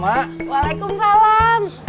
assalamualaikum emak waalaikumsalam